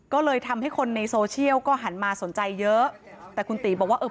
ก็เลยทำให้คนในโซเชียลก็หันมาสนใจเยอะแต่คุณตีบอกว่าเออ